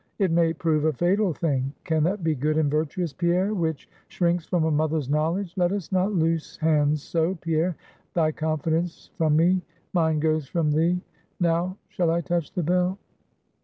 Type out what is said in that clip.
It may prove a fatal thing. Can that be good and virtuous, Pierre, which shrinks from a mother's knowledge? Let us not loose hands so, Pierre; thy confidence from me, mine goes from thee. Now, shall I touch the bell?'